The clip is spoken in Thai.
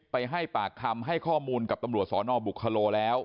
ไปให้ปากคำให้ข้อมูลกับตำรวจสนบุคโลแล้ว